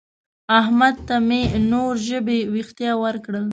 احمد ته مې نور ژبې وېښته وکړل.